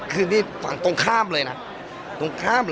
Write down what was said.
ตรงทางแบบตำนานครีม